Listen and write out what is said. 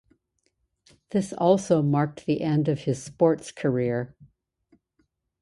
This also marked the end of his sports career.